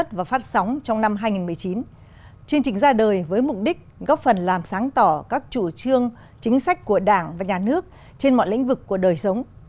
chương trình ra đời với mục đích góp phần làm sáng tỏ các chủ trương chính sách của đảng và nhà nước trên mọi lĩnh vực của đời sống